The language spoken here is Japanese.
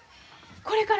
これから？